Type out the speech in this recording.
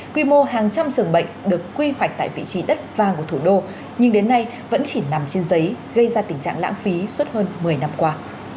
quy mô hàng trăm dường bệnh được quy hoạch tại vị trí đất vang của thủ đô nhưng đến nay vẫn chỉ nằm trên giấy gây ra tình trạng lãng phí suốt hơn một mươi năm qua